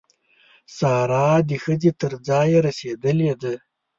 سارا د ښځې تر ځایه رسېدلې ده.